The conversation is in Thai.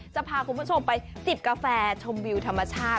จะพาคุณผู้ชมไปจิบกาแฟชมวิวธรรมชาติ